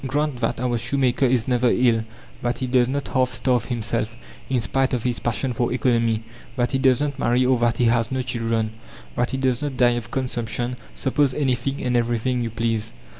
Grant that our shoemaker is never ill, that he does not half starve himself, in spite of his passion for economy; that he does not marry or that he has no children; that he does not die of consumption; suppose anything and everything you please!